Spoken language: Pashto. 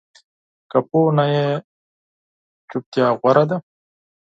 که پوه نه یې، چُپتیا غوره ده